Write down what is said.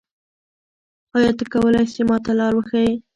آیا ته کولای سې ما ته لاره وښیې؟